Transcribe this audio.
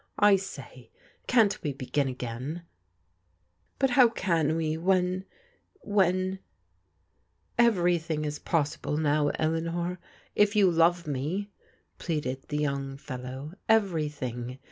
I say, can't we bq;in again ?"•• But how can we when — ^when ^—"" Everything is possible now, Eleanor, if you love me," pleaded the young fellow. "Everything.